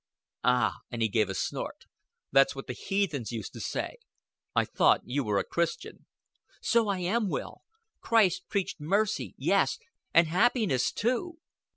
"Ah," and he gave a snort, "that's what the heathens used to say. I thought you were a Christian." "So I am, Will. Christ preached mercy yes, and happiness too."